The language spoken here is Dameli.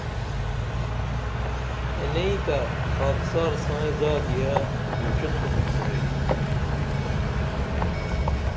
تنئیں تے خاکسار سائیں زادیہ بِچیتُھن کُرئی